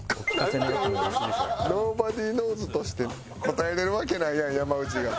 ｎｏｂｏｄｙｋｎｏｗｓ＋として答えられるわけないやん山内が。